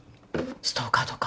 ストーカーとか？